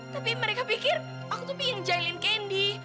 tapi mereka pikir aku tuh pingin jahilin candy